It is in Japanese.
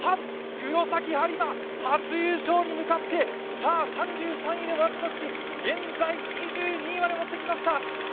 黒崎播磨、初優勝に向かってさあ、３３位でもらったたすき現在２２位まで持ってきました。